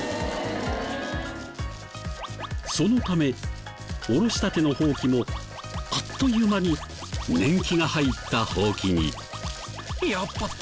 そのため下ろしたてのホウキもあっという間に年季が入ったホウキに。